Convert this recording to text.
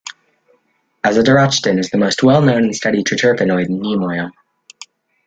Azadirachtin is the most well known and studied triterpenoid in neem oil.